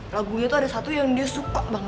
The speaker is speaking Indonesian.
lagunya itu ada satu yang dia suka banget